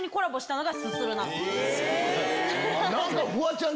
何かフワちゃん